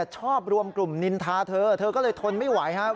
ชอบรวมกลุ่มนินทาเธอเธอก็เลยทนไม่ไหวครับ